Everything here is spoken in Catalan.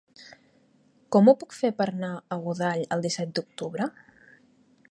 Com ho puc fer per anar a Godall el disset d'octubre?